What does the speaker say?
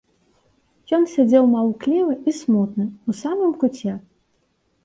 Ён сядзеў маўклівы і смутны, у самым куце.